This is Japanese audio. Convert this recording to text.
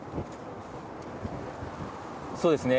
そうですね。